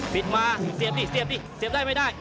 ปิดมาเสียบดิเสียบดิเสียบได้ไม่ได้